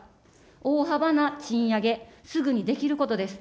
大幅な賃上げ、すぐにできることです。